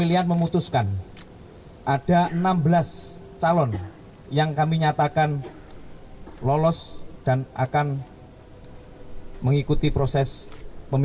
yang bermaksud tempat terun di spionese avaitordum